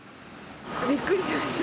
びっくりしました。